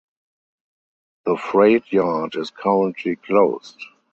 The freight yard is currently closed.